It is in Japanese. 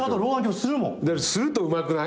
するとうまくない？